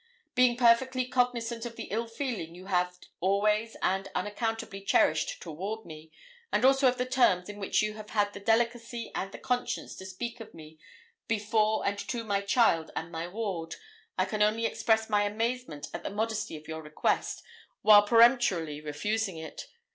Being perfectly cognisant of the ill feeling you have always and unaccountably cherished toward me, and also of the terms in which you have had the delicacy and the conscience to speak of me before and to my child and my ward, I can only express my amazement at the modesty of your request, while peremptorily refusing it.